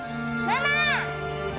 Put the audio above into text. ママ！